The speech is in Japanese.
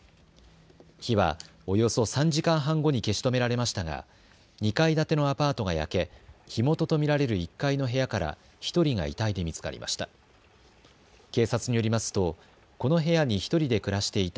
火はおよそ３時間半後に消し止められましたが２階建てのアパートが焼け火元と見られる１階の部屋から１人が遺体で見つかりました。